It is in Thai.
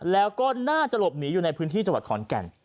แล้วก็น่าจะหลบหนีอยู่ในพื้นที่จังหวัดขอนแก่น